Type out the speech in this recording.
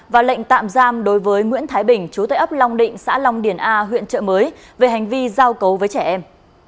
và lệnh tạm giam đối với nguyễn thái bình chú tại ấp long định xã long điền a huyện trợ mới về hành vi giao cấu với trẻ em